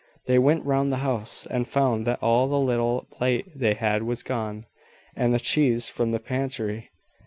They went round the house, and found that all the little plate they had was gone, and the cheese from the pantry.